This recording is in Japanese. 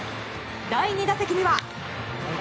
第２打席には。